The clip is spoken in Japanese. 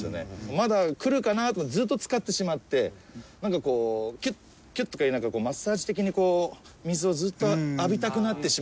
まだくるかなと思ってずっと使ってしまってなんかこうキュッキュッとマッサージ的に水をずっと浴びたくなってしまうっていう。